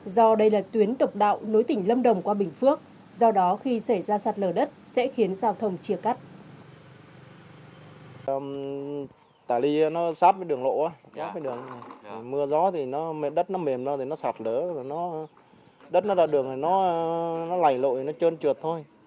do đây là tuyến độc đạo nối tỉnh lâm đồng qua bình phước do đó khi xảy ra sạt lở đất sẽ khiến giao thông chia cắt